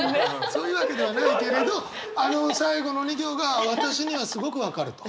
そういうわけではないけれどあの最後の２行が私にはすごく分かると？